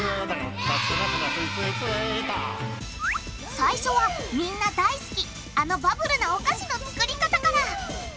最初はみんな大好きあのバブルなお菓子の作り方から！